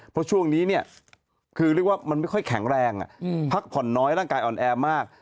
เพราะช่วงนี้เนี่ยคือเรียกว่ามันไม่ค่อยแข็งแรงพักผ่อนน้อยร่างกายอ่อนแอมาก